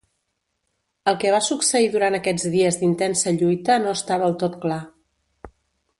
El que va succeir durant aquests dies d'intensa lluita no està del tot clar.